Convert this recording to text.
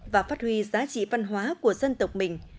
và phát huy giá trị văn hóa của dân tộc mình